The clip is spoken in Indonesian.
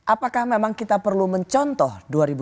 apakah memang kita perlu mencontoh dua ribu dua puluh